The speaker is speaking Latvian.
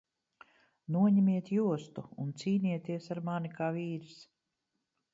Noņemiet jostu un cīnieties ar mani kā vīrs!